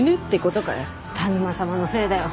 田沼様のせいだよ！